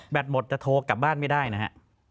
หมดจะโทรกลับบ้านไม่ได้นะฮะ